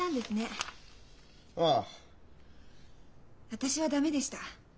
私は駄目でした。